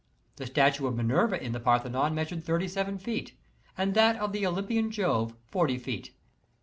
The statue of Minerva in the Parthenon measured thirty seven feet, and that of the Olympian Jove forty feet.